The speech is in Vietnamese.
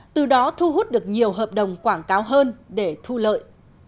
từ đó thu hút được nhiều hợp đồng quảng cáo hơn để thu lợi